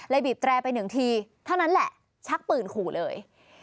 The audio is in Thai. บีบแตรไปหนึ่งทีเท่านั้นแหละชักปืนขู่เลย